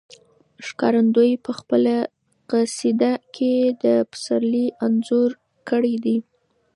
ښکارندوی په خپله قصیده کې د پسرلي انځور کړی دی.